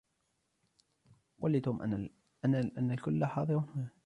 قل لتوم أن الكل حاضر هنا.